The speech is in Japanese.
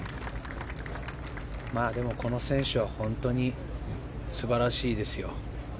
この選手は本当に素晴らしいですよ。